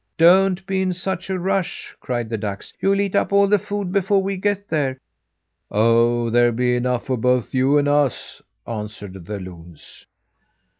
"Don't be in such a rush!" cried the ducks. "You'll eat up all the food before we get there." "Oh! there'll be enough for both you and us," answered the loons.